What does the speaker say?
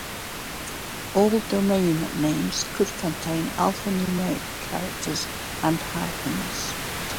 All domain names could contain alphanumeric characters and hyphens.